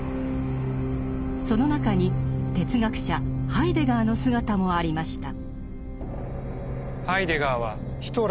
その中に哲学者ハイデガーの姿もありました。